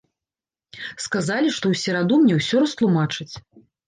Сказалі, што ў сераду мне ўсё растлумачаць.